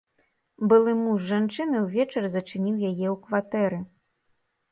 Былы муж жанчыны ўвечары зачыніў яе ў кватэры.